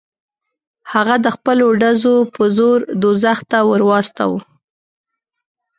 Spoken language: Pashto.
هغه د خپلو ډزو په زور دوزخ ته ور واستاوه.